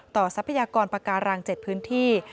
ต่อทรัพยากรประการรัง๗พื้นที่